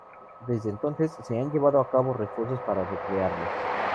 Desde entonces, se han llevado a cabo esfuerzos para re-crearla.